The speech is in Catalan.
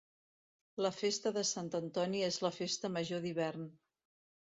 La Festa de Sant Antoni és la Festa Major d'Hivern.